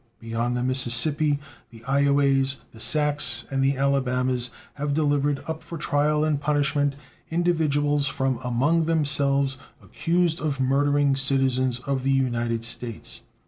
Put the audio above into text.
Beyond the Mississippi the Ioways, the Sacs and the Alabamas have delivered up for trial and punishment individuals from among themselves accused of murdering citizens of the United States.